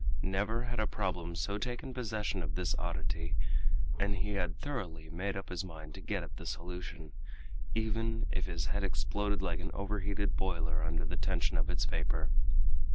Never had a problem so taken possession of this oddity, and he had thoroughly made up his mind to get at the solution, even if his head exploded like an overheated boiler under the tension of its vapor.